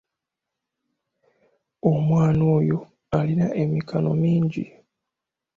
Omwana oyo alina emikano mingi.